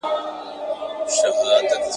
زما له زګېروي سره سارنګ او رباب مه شرنګوه ..